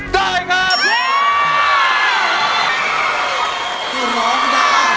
ได้งาน